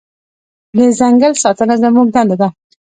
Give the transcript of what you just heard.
د ځنګل ساتنه زموږ دنده ده.